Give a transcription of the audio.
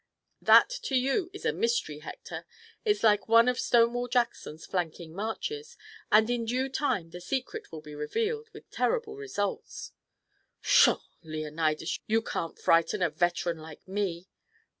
"That to you is a mystery, Hector. It's like one of Stonewall Jackson's flanking marches, and in due time the secret will be revealed with terrible results." "Pshaw, Leonidas, you can't frighten a veteran like me.